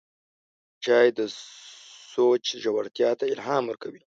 چای د سوچ ژورتیا ته الهام ورکوي